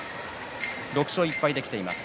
６勝１敗できています。